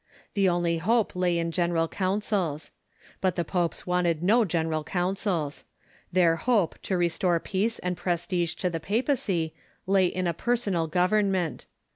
The only hope lay in general councils. But the popes wanted no gen eral councils. Their hope to restore peace and pres Councils .,,.^,^^ T> ^ tige to the papacy lay in a personal government.